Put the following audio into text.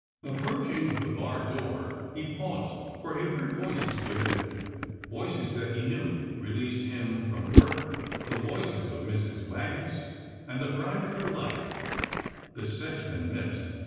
Approaching the bar door, he paused, for he heard voices within, voices that he knew released him from work, the voices of Mrs. Waggetts and the pride of her life — the sexton Mipps.